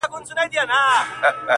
چي له مځکي تر اسمانه پاچاهان یو.!